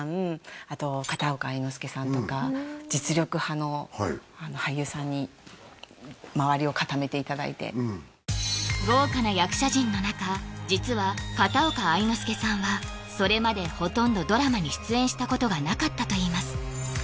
あと片岡愛之助さんとか実力派の俳優さんに周りを固めていただいて豪華な役者陣の中実は片岡愛之助さんはそれまでほとんどドラマに出演したことがなかったといいます